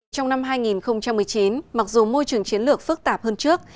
trong năm hai nghìn một mươi chín mặc dù môi trường chiến lược phức tạp hơn trước